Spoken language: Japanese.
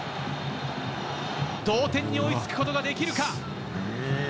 同点に追いつくことができるか。